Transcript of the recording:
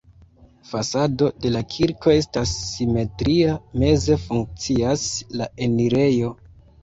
Fasado de la kirko estas simetria, meze funkcias la enirejo.